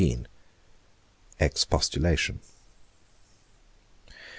EXPOSTULATION.